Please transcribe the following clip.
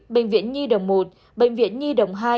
bệnh viện nhi đồng một bệnh viện nhi đồng hai